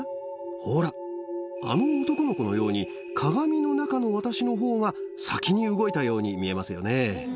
ほら、あの男の子のように、鏡の中の私のほうが先に動いたように見えますよね。